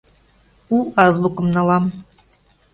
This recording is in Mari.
У азбукым налам...